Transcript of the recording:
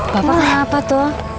bapak kenapa tuh